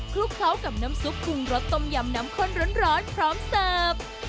ลุกเคล้ากับน้ำซุปปรุงรสต้มยำน้ำข้นร้อนพร้อมเสิร์ฟ